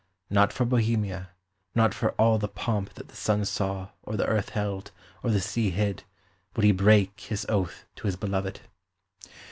Not for Bohemia, nor for all the pomp that the sun saw, or the earth held, or the sea hid, would he break his oath to his beloved.